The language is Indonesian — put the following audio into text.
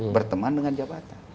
berteman dengan jabar